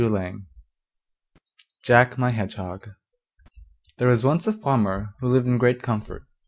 Grimm. JACK MY HEDGEHOG There was once a farmer who lived in great comfort.